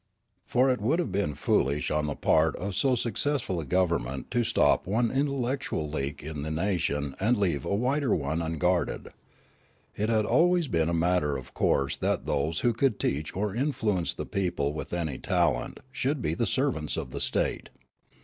For it would have been foolish on the part of so suc cessful a gov^ernment to stop one intellectual leak in the nation and leave a wider one unguarded. It had been always a matter of course that those wdio could teach or influence the people with any talent should be the servants of the state.